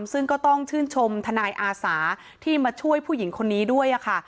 ซึ่งก็ต้องชื่นชมทนายอาสาที่มาช่วยผู้หญิงคนนี้ด้วยค่ะ